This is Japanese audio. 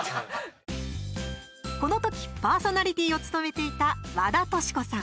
この時、パーソナリティーを務めていた和田季子さん。